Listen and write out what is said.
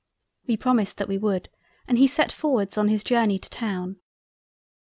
We promised that we would, and he set forwards on his journey to Town.